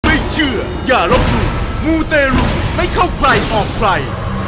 ไม่เชื่ออย่ารบศุภามูเตรุไม่เข้าใกล้ออกใส่